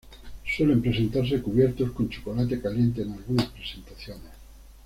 Suelen presentarse cubiertos con chocolate caliente en algunas presentaciones.